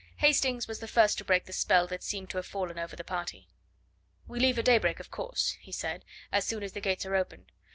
Hastings was the first to break the spell that seemed to have fallen over the party. "We leave at daybreak, of course," he said, "as soon as the gates are open.